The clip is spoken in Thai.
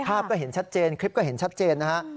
ภาพก็เห็นชัดเจนคลิปก็เห็นชัดเจนนะฮะ